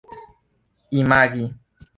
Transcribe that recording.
imagi